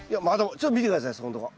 ちょっと見て下さいそこんとこ。